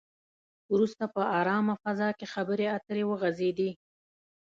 وروسته په ارامه فضا کې خبرې اترې وغځېدې.